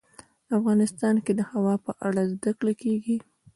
افغانستان کې د هوا په اړه زده کړه کېږي.